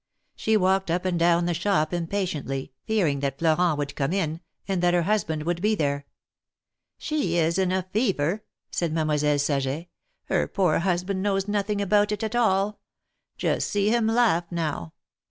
She walked up and down the shop impatiently, fearing that Florent would come in, and that her husband would be there. " She is in a fever !" said Mademoiselle Saget. " Her poor husband knows nothing about it all. Just see him laugh, now!